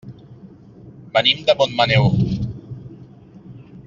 Venim de Montmaneu.